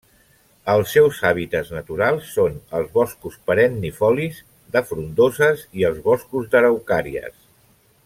Els seus hàbitats naturals són els boscos perennifolis de frondoses i els boscos d'araucàries.